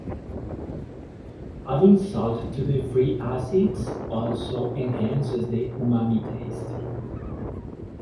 Adding salt to the free acids also enhances the umami taste.